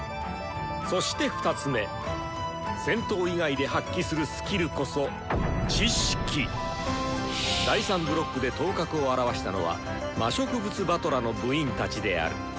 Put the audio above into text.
そして２つ目戦闘以外で発揮するスキルこそ第３ブロックで頭角を現したのは魔植物師団の部員たちである。